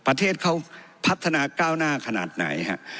ประเทศเขาพัฒนาก้าวหน้าขนาดไหนฮะ